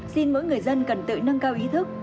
xin mỗi người dân cần tự nâng cao ý thức